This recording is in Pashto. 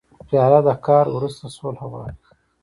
پیاله د قهر وروسته صلح غواړي.